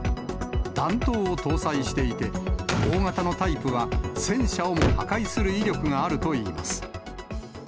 弾頭を搭載していて、大型のタイプは戦車をも破壊する威力があるといいます。